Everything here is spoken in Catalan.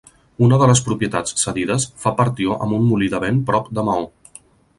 Una de les propietats cedides fa partió amb un molí de vent prop de Maó.